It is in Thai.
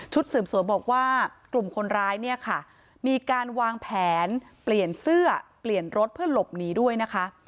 สืบสวนบอกว่ากลุ่มคนร้ายเนี่ยค่ะมีการวางแผนเปลี่ยนเสื้อเปลี่ยนรถเพื่อหลบหนีด้วยนะคะ